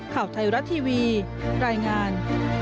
ข่าวไทยรัฐทีวีรายงาน